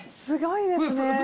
すごいですね！